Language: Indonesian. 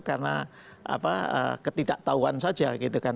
karena ketidaktahuan saja